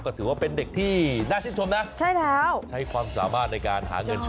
ก็ถือว่าเป็นเด็กที่น่าชื่นชมนะใช่แล้วใช้ความสามารถในการหาเงินช่วย